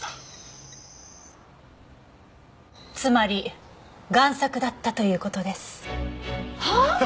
つまり贋作だったという事です。はあ？